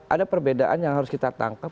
ada perbedaan yang harus kita tangkap